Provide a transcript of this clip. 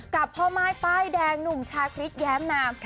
กับพ่อม่ายป้ายแดงหนุ่มชาคริสแย้มนาม